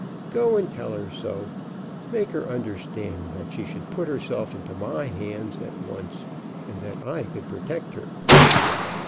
"Go and tell her so. Make her understand that she should put herself into my hands at once, and that I could protect her."